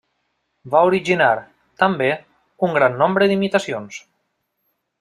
Va originar, també, un gran nombre d'imitacions.